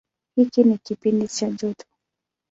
Hiki ni kipindi cha joto.